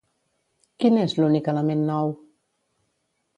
Quin és l'únic element nou?